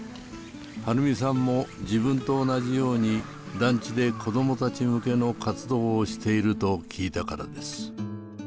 春美さんも自分と同じように団地で子どもたち向けの活動をしていると聞いたからです。